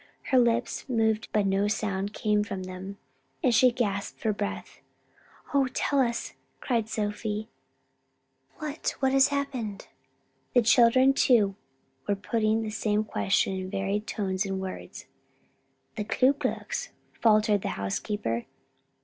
Her lips moved but no sound same from them, and she gasped for breath. "Oh tell us!" cried Sophie, "what, what has happened?" The children too were putting the same question in varying tones and words. "The Ku Klux," faltered the housekeeper.